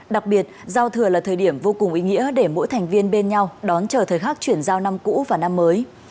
đặc biệt giao thừa là thời điểm vô cùng ý nghĩa để mỗi thành viên bên nhau đón chờ thời khắc chuyển giao năm cũ và năm mới